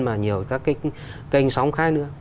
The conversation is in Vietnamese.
mà nhiều các cái kênh sóng khác nữa